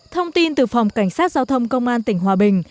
thông tin từ phòng cảnh sát giao thông công an tỉnh hòa bình